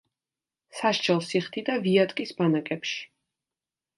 სასჯელს იხდიდა ვიატკის ბანაკებში.